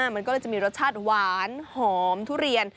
มันก็เลยจะมีรสชาติหวานหอมทุเรียน